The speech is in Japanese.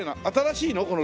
新しいの？